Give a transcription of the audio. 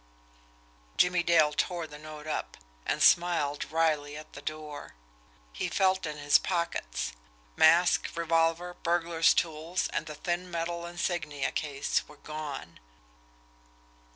Jimmie Dale tore the note up, and smiled wryly at the door. He felt in his pockets. Mask, revolver, burglar's tools, and the thin metal insignia case were gone.